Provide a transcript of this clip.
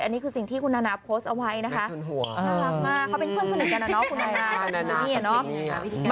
อันนี้คือสิ่งที่คุณนานาโปสเอาไว้นะคะ